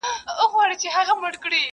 په دې باب دي څه لوستلي دي که نه دي؛